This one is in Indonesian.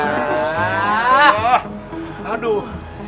artinya begitu juga